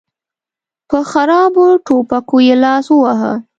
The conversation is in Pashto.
په خرابو ټوپکو یې لاس وواهه.